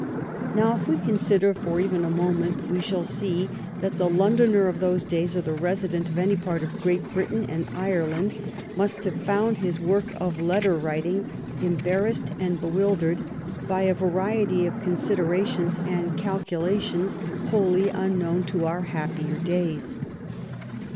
Now, if we consider for even a moment, we shall see that the Londoner of those days or the resident of any part of Great Britain and Ireland must have found his work of letter writing embarrassed and bewildered by a variety of considerations and calculations wholly unknown to our happier days.